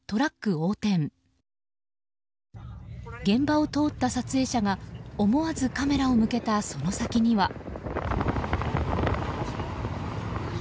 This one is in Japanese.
現場を通った撮影者が思わずカメラを向けたその先には。